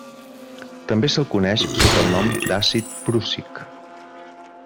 També se'l coneix sota el nom d'àcid prússic.